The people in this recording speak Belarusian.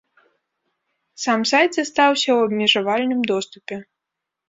Сам сайт застаўся ў абмежавальным доступе.